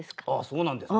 そうなんですね。